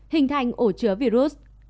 hình thành ổ chứa virus